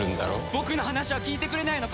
僕の話は聞いてくれないのか！？